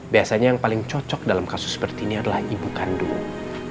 biasanya yang paling cocok dalam kasus seperti ini adalah ibu kandung